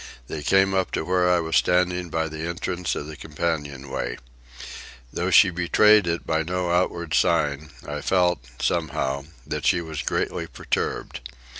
They came up to where I was standing by the entrance to the companion way. Though she betrayed it by no outward sign, I felt, somehow, that she was greatly perturbed.